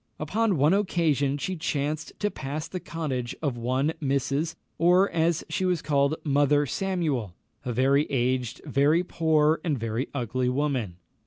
Upon one occasion she chanced to pass the cottage of one Mrs., or, as she was called, Mother Samuel, a very aged, a very poor, and a very ugly woman.